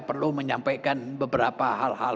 perlu menyampaikan beberapa hal hal